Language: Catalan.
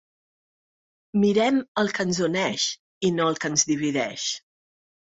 Mirem el que ens uneix, i no el que ens divideix.